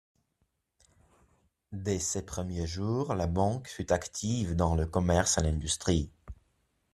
Dès ses premiers jours, la banque fut active dans le commerce et l'industrie.